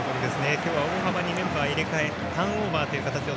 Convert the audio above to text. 今日は大幅にメンバーを入れ替えターンオーバーという形。